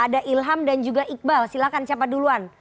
ada ilham dan juga iqbal silahkan siapa duluan